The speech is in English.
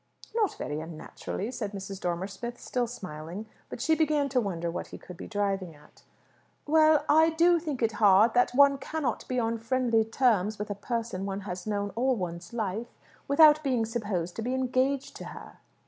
"Not very unnaturally," said Mrs. Dormer Smith, still smiling. But she began to wonder what he could be driving at. "Well, I do think it hard that one cannot be on friendly terms with a person one has known all one's life without being supposed to be engaged to her."